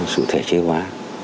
sự thể chế hóa